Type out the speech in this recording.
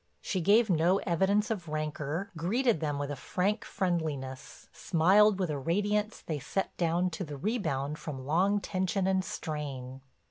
She gave no evidence of rancor, greeted them with a frank friendliness, smiled with a radiance they set down to the rebound from long tension and strain.